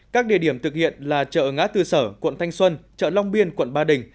các địa điểm thực hiện là chợ ngã tư sở quận thanh xuân chợ long biên quận ba đình